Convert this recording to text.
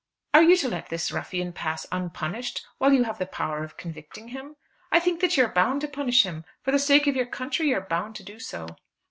"Are you to let this ruffian pass unpunished while you have the power of convicting him? I think that you are bound to punish him. For the sake of your country you are bound to do so."